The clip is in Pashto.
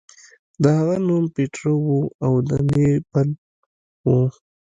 د هغه نوم پیټرو و او د نیپل و.